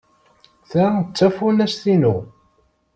Ta d tafunast-inu.